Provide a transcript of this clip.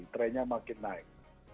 trennya makin naik